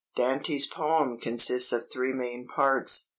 "Dante's poem consists of three main parts.